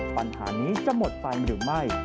ปัญหานี้จะหมดไฟหรือไม่